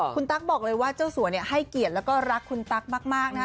คุณตั๊กบอกเลยว่าเจ้าสัวเนี่ยให้เกียรติแล้วก็รักคุณตั๊กมากนะคะ